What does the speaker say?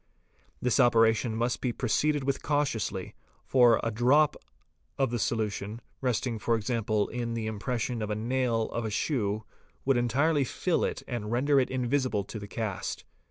This operation must be proceeded with cautiously, for a drop of the solu tion, resting for example in the impression of a nail of a shoe would entirely fill it and render it invisible on the cast.